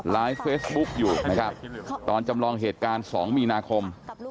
ไลฟ์เฟซบุ๊กอยู่นะครับตอนจำลองเหตุการณ์๒มีนาคม